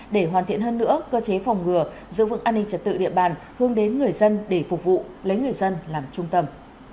để hoàn thiện hơn nữa cơ chế phòng ngừa giữ vững an ninh trật tự địa bàn hướng đến người dân để phục vụ lấy người dân làm trung tâm